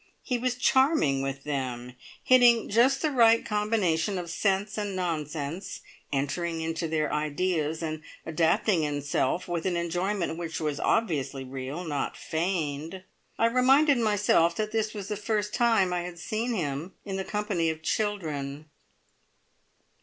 he was charming with them, hitting just the right combination of sense and nonsense, entering into their ideas, and adapting himself with an enjoyment which was obviously real, not feigned. I reminded myself that this was the first time I had seen him in the company of children.